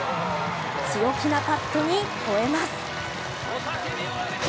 強気なパットにほえます。